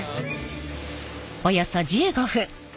およそ１５分。